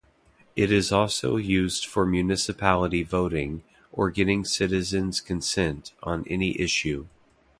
It is also used for municipality voting or getting citizens consent on any issue.